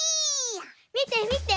みてみて！